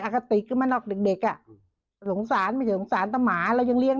อาฆาติกขึ้นมานอกเด็กอ่ะสงสารไม่สงสารตัวหมาแล้วยังเลี้ยง